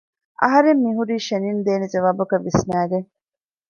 އަހަރެން މިހުރީ ޝެނިން ދޭނެ ޖަވާބަކަށް ވިސްނައިގެން